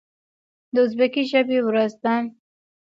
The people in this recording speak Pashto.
د ازبکي ژبې ورځ ده.